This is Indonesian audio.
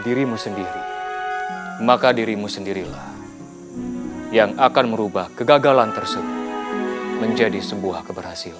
dirimu sendiri maka dirimu sendirilah yang akan merubah kegagalan tersebut menjadi sebuah keberhasilan